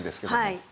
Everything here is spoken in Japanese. はい。